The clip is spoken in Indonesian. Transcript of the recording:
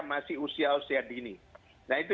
masih usia usia dini nah itu